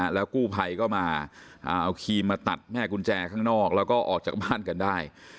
แล้วกู้ภัยก็มาเอาครีมมาตัดแม่กุญแจข้างนอกแล้วก็ออกจากบ้านกันได้